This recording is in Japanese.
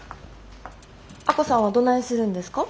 亜子さんはどないするんですか？